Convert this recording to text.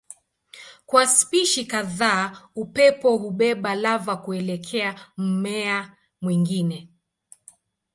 Kwa spishi kadhaa upepo hubeba lava kuelekea mmea mwingine.